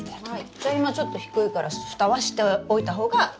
じゃあ今ちょっと低いからふたはしておいた方がいいですね。